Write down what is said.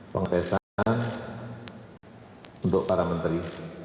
pemerintahan untuk para menteri